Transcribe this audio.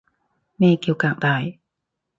咩叫革大